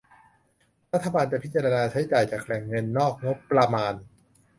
รัฐบาลจะพิจารณาใช้จ่ายจากแหล่งเงินนอกงบประมาณ